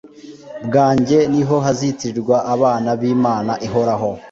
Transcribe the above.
bwanjye ni ho bazitirwa abana b imana ihoraho